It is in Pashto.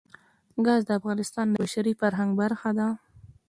ګاز د افغانستان د بشري فرهنګ برخه ده.